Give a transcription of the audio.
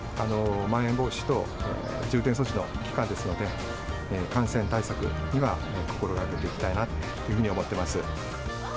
まん延防止等重点措置の期間ですので、感染対策には心がけていきたいなというふうに思っています。